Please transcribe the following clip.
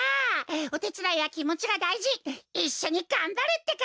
おてつだいはきもちがだいじいっしょにがんばるってか！